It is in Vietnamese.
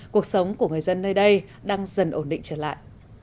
cuộc sống của người dân nơi đây đang dần ổn định trở lại